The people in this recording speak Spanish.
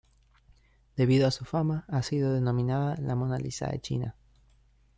Debido a su fama, ha sido denominada "La Mona Lisa de China".